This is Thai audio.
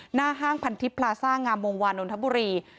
ห้างพันทิพย์พลาซ่างามวงวานนทบุรี